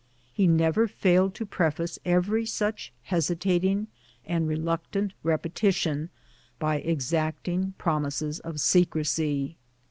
He never failed to preface every such hesitating and reluctant repetition by exacting promises of secrecy.